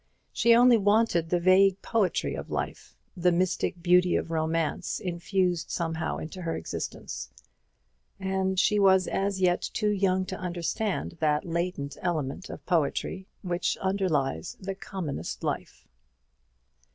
She only wanted the vague poetry of life, the mystic beauty of romance infused somehow into her existence; and she was as yet too young to understand that latent element of poetry which underlies the commonest life.